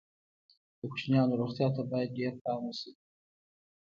د کوچنیانو روغتیا ته باید ډېر پام وشي.